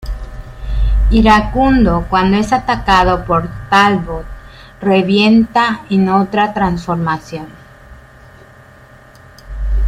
Iracundo cuando es atacado por Talbot, revienta en otra transformación.